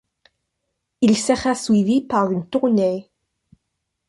Il sera suivi par une tournée.